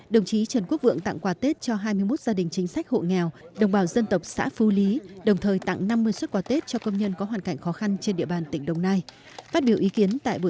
đồng chí trần quốc vượng tặng quà tết cho hai mươi một gia đình chính sách hộ nghèo đồng bào dân tộc xã phu lý đồng thời tặng năm mươi xuất quà tết cho công nhân có hoàn cảnh khó khăn trên địa bàn tỉnh đồng nai